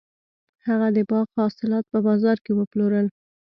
هغه د باغ حاصلات په بازار کې وپلورل.